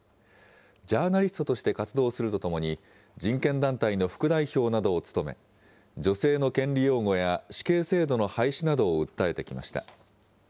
ジャーナリストとして活動するとともに、人権団体の副代表などを務め、女性の権利擁護や死刑制度の廃止などを訴えてきました。